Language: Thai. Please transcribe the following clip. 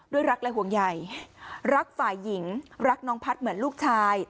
รักและห่วงใหญ่รักฝ่ายหญิงรักน้องพัฒน์เหมือนลูกชาย